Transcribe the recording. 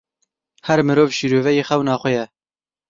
Her mirov şîroveyê xewna xwe ye.